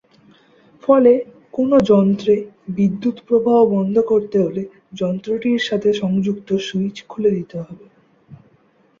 ফলে কোনো যন্ত্রে বিদ্যুৎ প্রবাহ বন্ধ করতে হলে যন্ত্রটির সাথে সংযুক্ত সুইচ খুলে দিতে হবে।